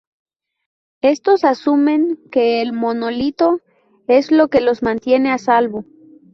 Estos asumen que el monolito es lo que los mantiene a salvo.